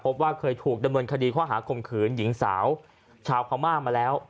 พบว่าเคยถูกดำเนินคดีข้อหาข่มขืนหญิงสาวชาวพม่ามาแล้ว